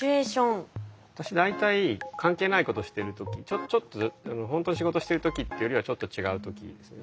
私大体関係ないことしてる時ちょっとほんとに仕事してる時ってよりはちょっと違う時ですね。